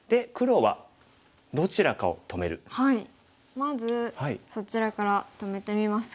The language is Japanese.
まずそちらから止めてみますか？